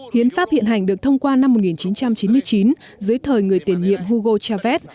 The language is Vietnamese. hiến pháp hiện hành được thông qua năm một nghìn chín trăm chín mươi chín dưới thời người tiền nhiệm hugo chav